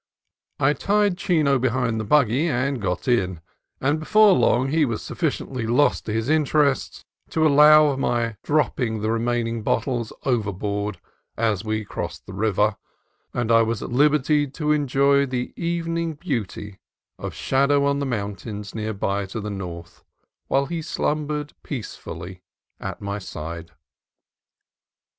I tied Chino behind the buggy and got in, and before long he was sufficiently lost to his interests to allow of my dropping the remaining bottles overboard as we crossed the river, and I was at liberty to enjoy the evening beauty of shadow on the mountains near by to the north, while he slum bered peacefully at my side.